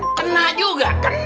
kena juga kena